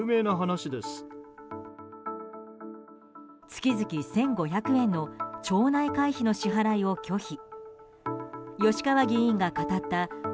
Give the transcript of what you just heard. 月々１５００円の町内会費の支払いを拒否。